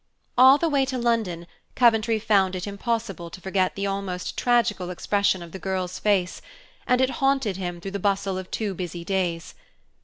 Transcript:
All the way to London, Coventry found it impossible to forget the almost tragical expression of the girl's face, and it haunted him through the bustle of two busy days.